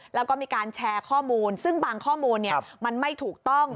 แล้วก็มีการแชร์ข้อมูลซึ่งบางข้อมูลมันไม่ถูกต้อง